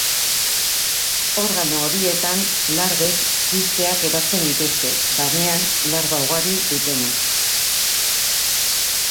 Organo horietan larbek kisteak eratzen dituzte, barnean larba ugari dutenak.